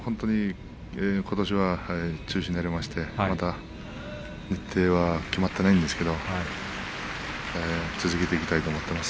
ことしは中止になりましてまだ日程は決まっていないんですけども続けていきたいと思っています。